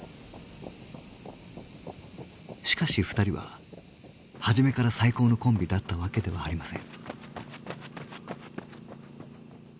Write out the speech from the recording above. しかし２人は初めから最高のコンビだったわけではありません。